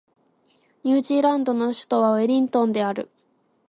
ニュージーランドの首都はウェリントンである